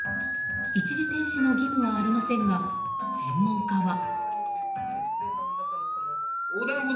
一時停止の義務はありませんが専門家は。